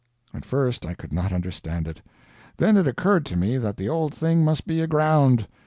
At first I could not understand it; then it occurred to me that the old thing must be aground.